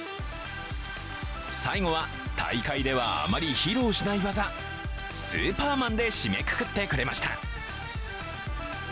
最後は大会ではあまり披露しない技スーパーマンで締めくくってくれました。